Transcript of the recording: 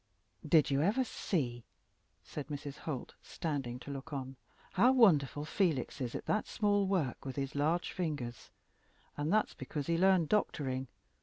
"Did you ever see," said Mrs. Holt, standing to look on, "how wonderful Felix is at that small work with his large fingers? And that's because he learned doctoring.